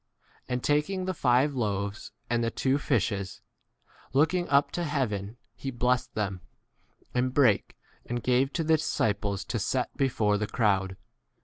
And taking the five loaves and the two fishes, looking up to heaven he blessed them, and brake and gave to the disciples to V set before the crowd.